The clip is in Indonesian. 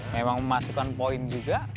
memang memasukkan poin juga